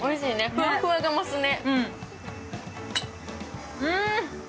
ふわふわが増すね。